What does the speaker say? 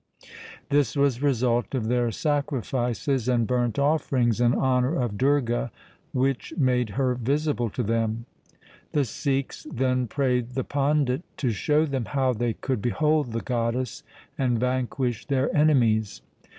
This was the result of their sacrifices and burnt offerings in honour of Durga which made her visible to them.' The Sikhs then prayed the pandit to show them how they could behold the goddess, and vanquish their enemies.